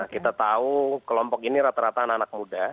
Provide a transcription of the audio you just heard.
kita tahu kelompok ini rata rata anak anak muda